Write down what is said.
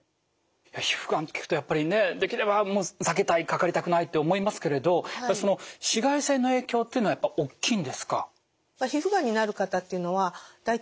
皮膚がんって聞くとやっぱりねできれば避けたいかかりたくないって思いますけれどその紫外線の影響っていうのはやっぱ大きいんですか。